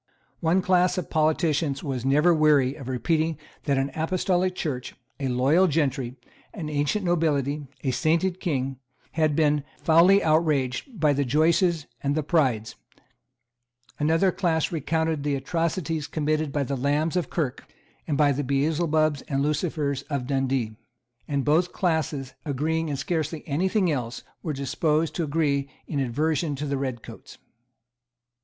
One class of politicians was never weary of repeating that an Apostolic Church, a loyal gentry, an ancient nobility, a sainted King, had been foully outraged by the Joyces and the Prides; another class recounted the atrocities committed by the Lambs of Kirke, and by the Beelzebubs and Lucifers of Dundee; and both classes, agreeing in scarcely any thing else, were disposed to agree in aversion to the red coats.